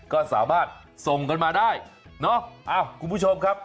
ข้างบัวแห่งสันยินดีต้อนรับทุกท่านนะครับ